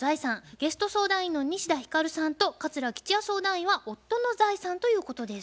ゲスト相談員の西田ひかるさんと桂吉弥相談員は「夫の財産」ということです。